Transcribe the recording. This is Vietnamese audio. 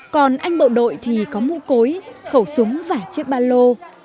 còn anh bộ đội thì có mũ cối khẩu súng và chiếc ba lô